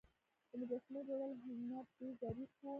د مجسمو جوړولو هنر ډیر ظریف و